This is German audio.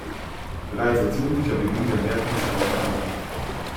Bereits als Jugendlicher beging er mehrfach Straftaten.